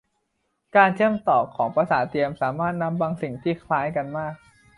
การเชื่อมต่อของประสาทเทียมสามารถทำบางสิ่งที่คล้ายกันมาก